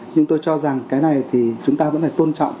nhưng tôi cho rằng cái này thì chúng ta vẫn phải tôn trọng